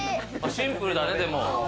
シンプルだね、でも。